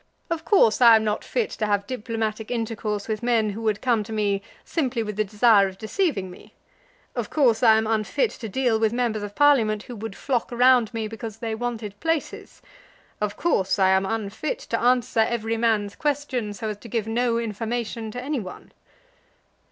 "Of course I am not fit to have diplomatic intercourse with men who would come to me simply with the desire of deceiving me. Of course I am unfit to deal with members of Parliament who would flock around me because they wanted places. Of course I am unfit to answer every man's question so as to give no information to any one."